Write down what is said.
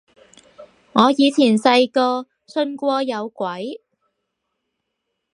我以前細個信過有鬼